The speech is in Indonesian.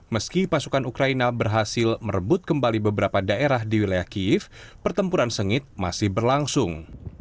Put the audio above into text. meski pasukan ukraina berhasil merebut kembali beberapa daerah di wilayah kiev pertempuran sengit masih berlangsung